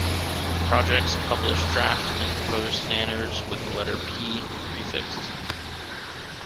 Projects publish draft and proposed standards with the letter "P" prefixed.